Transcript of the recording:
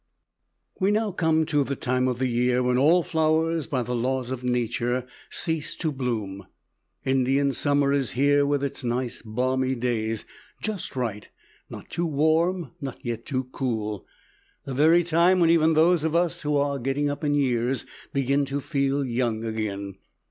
We now come to the time of the year when all flowers, by the laws of nature, cease to bloom. Indian summer is here with its nice balmy days. Just right not too warm not yet too cool. The very time when even those of us who are getting up in years begin to feel young again.